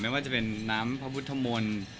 ว่าจะเป็นน้ำพระพุทธมนต์